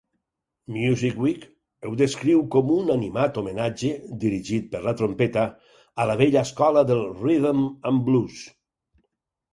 "Music Week" ho descriu com un animat homenatge, dirigit per la trompeta, a la vella escola del rithm-and-blues.